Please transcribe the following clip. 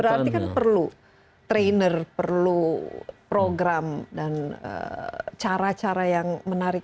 berarti kan perlu trainer perlu program dan cara cara yang menarik